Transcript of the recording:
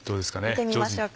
見てみましょうか。